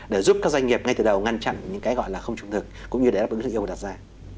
để giúp các doanh nghiệp ngay từ đầu ngăn chặn những cái gọi là không trung thực cũng như để đáp ứng được yêu cầu đặt ra